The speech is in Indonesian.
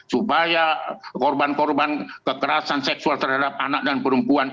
supaya korban korban kekerasan seksual terhadap anak dan perempuan